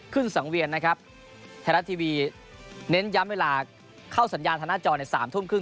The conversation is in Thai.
สังเวียนนะครับไทยรัฐทีวีเน้นย้ำเวลาเข้าสัญญาณทางหน้าจอในสามทุ่มครึ่ง